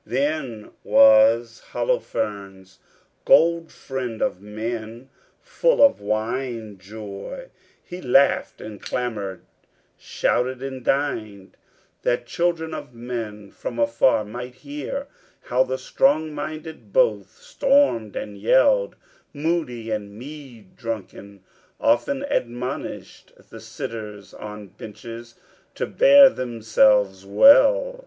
Then was Holofernes, Gold friend of men, full of wine joy: He laughed and clamored, shouted and dinned, That children of men from afar might hear How the strong minded both stormed and yelled, Moody and mead drunken, often admonished The sitters on benches to bear themselves well.